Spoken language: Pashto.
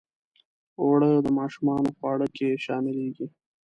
اوړه د ماشومانو خواړه کې شاملیږي